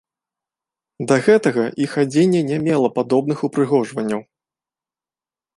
Да гэтага іх адзенне не мела падобных упрыгожванняў.